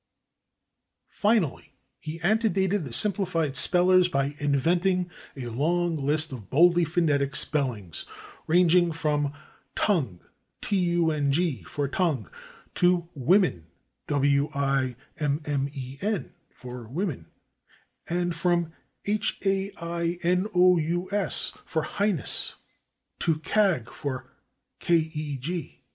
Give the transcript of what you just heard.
Finally, he antedated the simplified spellers by inventing a long list of boldly phonetic spellings, ranging from /tung/ for /tongue/ to /wimmen/ for /women/, and from /hainous/ for /heinous/ to /cag/ for /keg